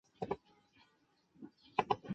后一直居住在莫斯科。